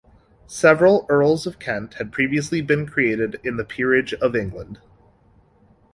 Several Earls of Kent had previously been created in the Peerage of England.